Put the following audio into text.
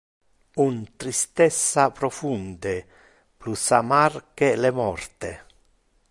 Un tristessa profunde, plus amar que le morte.